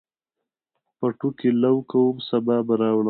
پټو کې لو کوم، سابه راوړمه